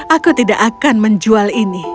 aku tidak akan menjual ini